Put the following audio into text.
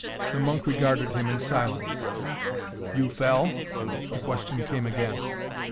The monk regarded him in silence. "You fell?" the question came again.